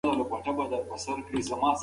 خپل چاپېریال ته پاملرنه وکړئ.